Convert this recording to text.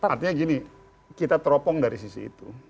artinya gini kita teropong dari sisi itu